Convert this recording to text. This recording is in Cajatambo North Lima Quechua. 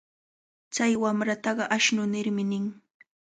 Chay wamrataqa ashnu nirmi nin.